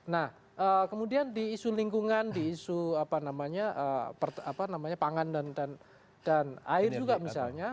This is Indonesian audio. nah kemudian di isu lingkungan di isu apa namanya pangan dan air juga misalnya